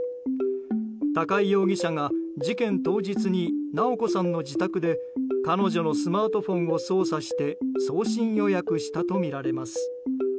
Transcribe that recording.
高井容疑者が事件当日に直子さんの自宅で彼女のスマートフォンを操作して送信予約したとみられます。